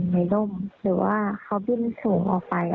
ในร่มหรือว่าเขาดิ้นสูงออกไป